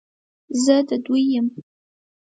زه د دوی یم،